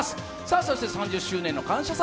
そして、３０周年の「感謝祭」